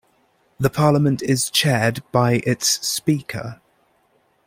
The Parliament is chaired by its speaker.